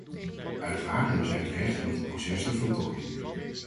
Uiteraard hebben zij het recht om dit proces te voltooien.